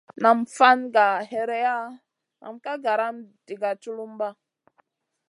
Nam fan gah hèreya nen ka garam diga tchulumba.